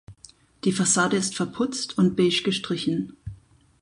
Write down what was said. Die Fassade ist verputzt und Beige gestrichen.